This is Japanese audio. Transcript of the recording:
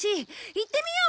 行ってみよう！